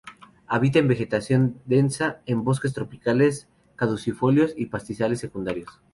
Habita en vegetación densa, en bosques tropicales caducifolios y pastizales secundarios.